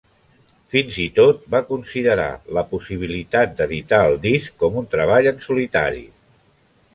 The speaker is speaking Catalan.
Fins i tot va considerar la possibilitat d'editar el disc com un treball en solitari.